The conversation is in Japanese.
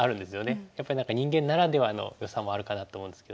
やっぱり何か人間ならではのよさもあるかなと思うんですけど。